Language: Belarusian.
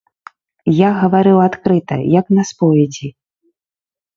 Я гаварыў адкрыта, як на споведзі.